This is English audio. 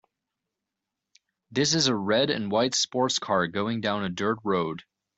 This is a red and white sports car going down a dirt road.